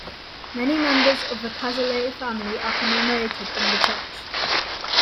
Many members of the Cazalet family are commemorated in the church.